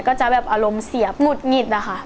ก็จะแบบอารมณ์เสียบหงุดหงิดอะค่ะ